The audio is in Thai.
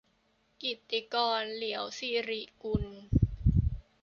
กิตติกร เลียวศิริกุล